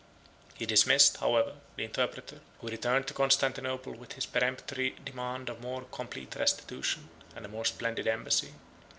He dismissed, however, the interpreter, who returned to Constantinople with his peremptory demand of more complete restitution, and a more splendid embassy.